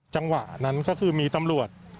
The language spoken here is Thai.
จังหวะนั้นก็คือมีตำรวจ